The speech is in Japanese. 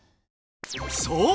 そう！